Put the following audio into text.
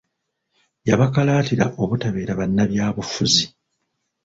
Yabakalaatira obutabeera bannabyabufuzi.